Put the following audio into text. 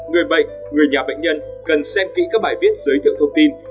người bệnh người nhà bệnh nhân cần xem kỹ các bài viết giới thiệu thông tin